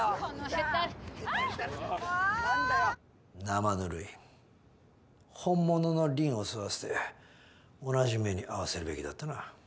生ぬるい本物のりんを吸わせて同じ目に遭わせるべきだったな。